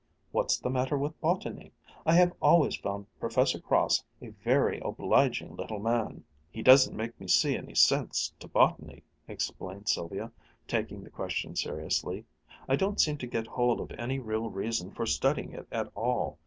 What's the matter with botany? I have always found Professor Cross a very obliging little man." "He doesn't make me see any sense to botany," explained Sylvia, taking the question seriously. "I don't seem to get hold of any real reason for studying it at all.